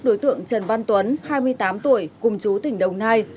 đối tượng trần văn tuấn hai mươi tám tuổi cùng chú tỉnh đồng nai